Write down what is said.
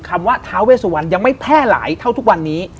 คำว่าท้าเวสวันยังไม่แพร่หลายเท่าทุกวันนี้